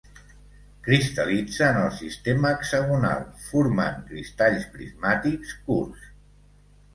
Cristal·litza en el sistema hexagonal, formant cristalls prismàtics curts.